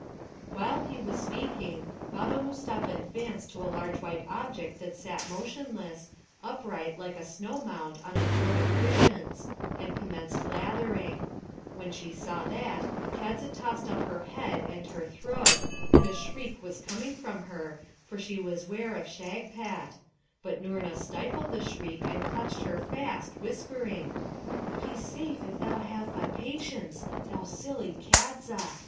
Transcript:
While he was speaking Baba Mustapha advanced to a large white object that sat motionless, upright like a snow mound on a throne of cushions, and commenced lathering. When she saw that, Kadza tossed up her head and her throat, and a shriek was coming from her, for she was ware of Shagpat; but Noorna stifled the shriek, and clutched her fast, whispering, 'He's safe if thou have but patience, thou silly Kadza!